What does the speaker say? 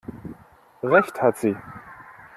Recht hat sie!